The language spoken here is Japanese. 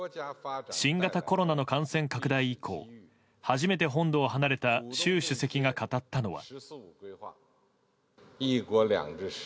新型コロナの感染拡大以降初めて本土を離れた習主席が語ったのは。